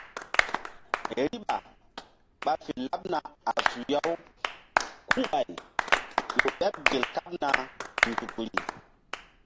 Riɓa ɓa fe laɓna a suya-u kuŋɓay ƴo ɓeɓ gel kaɓna nzukri.